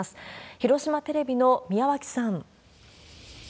広島テレビの宮脇さん。